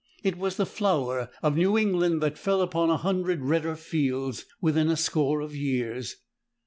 It was the flower of New England that fell upon a hundred redder fields within a score of years.